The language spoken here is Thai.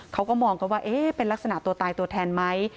เขาก็มองกันว่าเป็นลักษณะตัวตายตัวแทนไหม